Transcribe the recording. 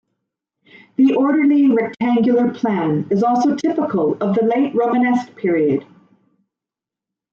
The orderly, rectangular plan is also typical of the late Romanesque period.